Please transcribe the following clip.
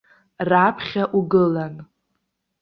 Раԥхьа угылан.